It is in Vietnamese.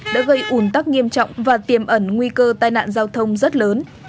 đã gây ủn tắc nghiêm trọng và tiềm ẩn nguy cơ tai nạn giao thông rất lớn